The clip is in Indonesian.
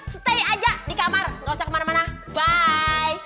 stay aja di kamar gak usah kemana mana bye